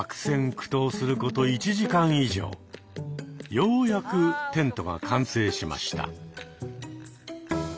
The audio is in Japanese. ようやくテントが完成しました。